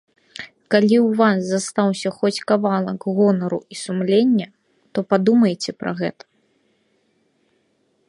Калі ў вас застаўся хоць кавалак гонару і сумлення, то падумайце пра гэта.